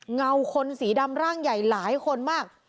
เงาคนสีดำร่างใหญ่หลายคนมาก